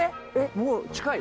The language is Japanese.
もう近い？